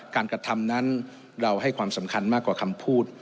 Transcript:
กระทำนั้นเราให้ความสำคัญมากกว่าคำพูด